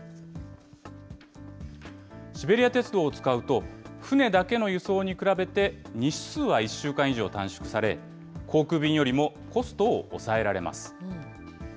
シベリア鉄道を使うと、船だけの輸送に比べて日数は１週間以上短縮され、航空便よりもコストを抑えられます。